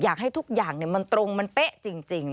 อยากให้ทุกอย่างมันตรงมันเป๊ะจริง